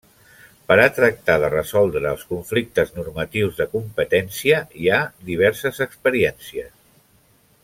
Per a tractar de resoldre els conflictes normatius de competència hi ha diverses experiències.